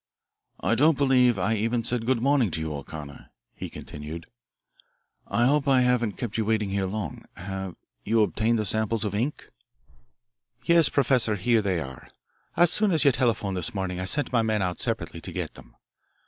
"I don't believe I even said good morning to you, O'Connor," he continued. "I hope I haven't kept you waiting here long. Have you obtained the samples of ink?" "Yes, Professor. Here they are. As soon as you telephoned this morning I sent my men out separately to get them.